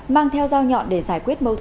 mang theo dao nhọn để giải quyết mối quan hệ